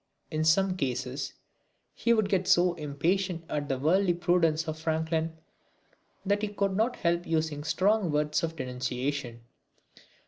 In some cases he would get so impatient at the worldly prudence of Franklin that he could not help using strong words of denunciation.